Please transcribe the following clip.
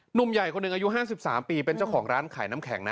หนุ่มใหญ่คนหนึ่งอายุ๕๓ปีเป็นเจ้าของร้านขายน้ำแข็งนะ